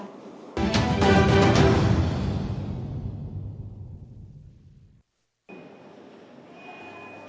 bệnh ung thư gan